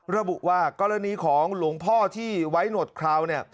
ระบุว่ากรณีของหลวงพ่อที่ไว้หนวดคราวเนี่ย